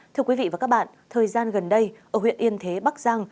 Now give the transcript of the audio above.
thưa quý vị và các bạn thời gian gần đây ở huyện yên thế bắc giang